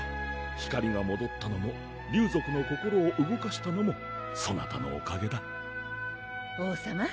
光がもどったのも竜族の心を動かしたのもそなたのおかげだ王さま